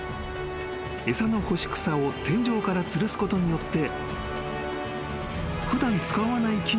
［餌の干し草を天井からつるすことによって］